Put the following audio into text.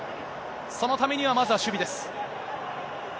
そのためにはまずは守備です。